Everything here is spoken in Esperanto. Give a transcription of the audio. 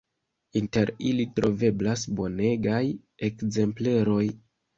Inter ili troveblas bonegaj ekzempleroj.